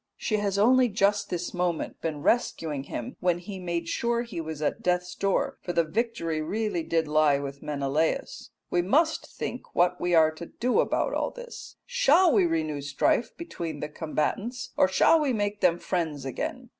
She has only just this moment been rescuing him when he made sure he was at death's door, for the victory really did lie with Menelaus. We must think what we are to do about all this. Shall we renew strife between the combatants or shall we make them friends again?